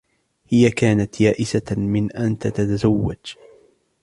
هىَ كانت يائسة من أن تتزوج.